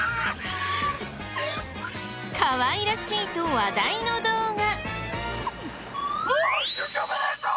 かわいらしいと話題の動画。